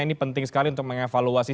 ini penting sekali untuk mengevaluasi